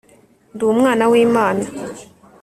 ndi umwana w'imana